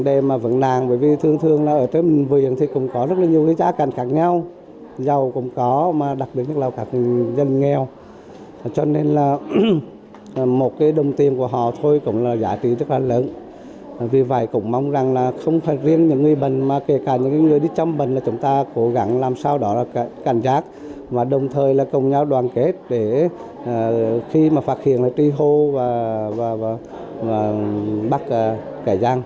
đồng thời là công nhau đoàn kết để khi mà phát hiện là tri hô và bắt cả giang